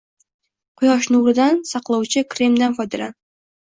Quyosh nuridan saqlovchi kremdan foydalan!